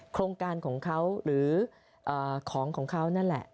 โครงการของเขาหรือของของเขานั่นแหละ